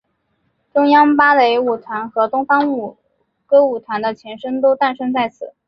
中央芭蕾舞团和东方歌舞团的前身都诞生在此。